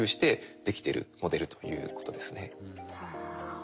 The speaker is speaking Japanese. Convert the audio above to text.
はあ。